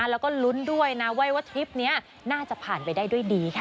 แล้วก็ลุ้นด้วยนะว่าทริปนี้น่าจะผ่านไปได้ด้วยดีค่ะ